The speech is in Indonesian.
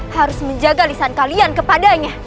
harus menjaga lisan kalian kepadanya